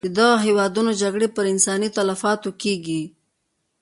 د دغه هېوادونو جګړې پر انساني تلفاتو کېږي.